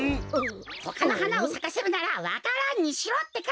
ほかのはなをさかせるならわか蘭にしろってか！